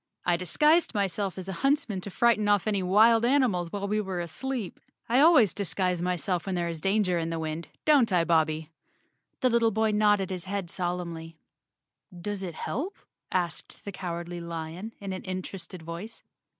"I disguised myself as a huntsman to frighten off any wild animals while we were asleep. I always disguise myself when there is 122 _ Chapter Nine danger in the wind—don't I, Bobbie?" The little boy nodded his head solemnly. "Does it help?" asked the Cowardly Lion in an interested voice.